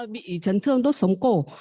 bị chấn thương đốt sống cổ